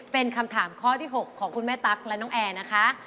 เป็นคำถามข้อที่๖ของคุณแม่ตั๊กและน้องแอร์นะคะ